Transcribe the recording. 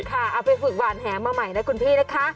เอาไปฝึกหวานแหมาใหม่นะคุณพี่นะคะ